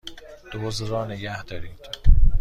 دزد را نگهدارید!